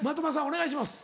お願いします。